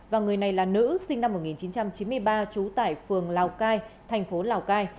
và người này là nữ sinh năm một nghìn chín trăm chín mươi ba trú tại phường lào cai thành phố lào cai